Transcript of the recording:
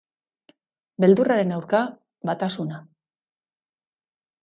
Beldurraren aurka, batasuna.